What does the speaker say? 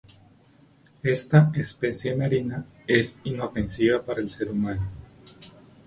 Esta especie marina es inofensiva para el ser humano.